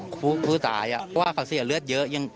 ผู้ตายเพราะว่าเขาเสียเลือดเยอะ